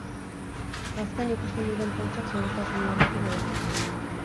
Argazkian ikusten diren poltsak segurtasun-uhalekin eginda daude.